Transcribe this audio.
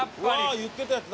言ってたやつだ。